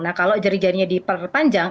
nah kalau jari jarinya diperpanjang